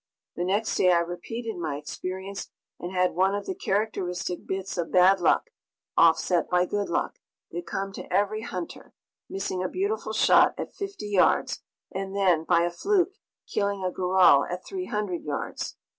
The next day I repeated my experience, and had one of the characteristic bits of bad luck, offset by good luck, that come to every hunter missing a beautiful shot at fifty yards, and then, by a fluke, killing a goral at 300 yards.